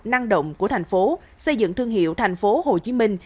năng động của thành phố xây dựng thương hiệu thành phố hồ chí minh